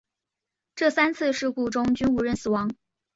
这三次事故中均无人死亡。